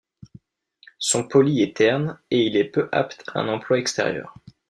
Son poli est terne et il est peu apte à un emploi extérieur.